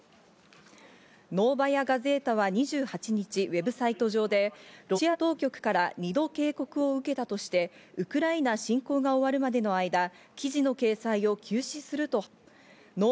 ノーバヤ・ガゼータは２８日、ウェブサイト上でロシア当局から２度警告を受けたとして、ウクライナ侵攻が終わるまでの間、記事の掲載を休止すると発表しました。